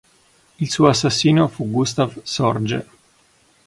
Il suo assassino fu Gustav Sorge.